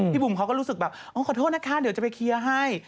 บุ๋มเขาก็รู้สึกแบบอ๋อขอโทษนะคะเดี๋ยวจะไปเคลียร์ให้